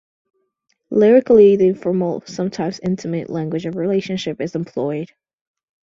Lyrically, the informal, sometimes intimate, language of relationship is employed.